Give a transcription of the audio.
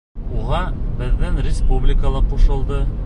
Уға беҙҙең республика ла ҡушылды.